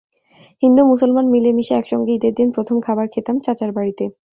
হিন্দু-মুসলমান মিলে মিশে একসঙ্গে ঈদের দিন প্রথম খাবার খেতাম চাচার বাড়িতে।